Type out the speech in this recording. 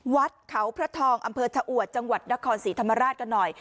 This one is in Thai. วัดเขาพระทองอำเภอชะอวดจังหวัดนครศรีธรรมราชกันหน่อย